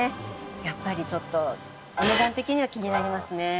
やっぱりちょっとお値段的には気になりますね。